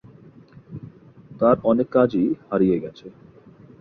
তার অনেক কাজই হারিয়ে গেছে।